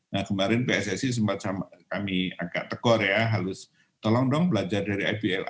nah kemarin pssi sempat kami agak tegur ya harus tolong dong belajar dari ibl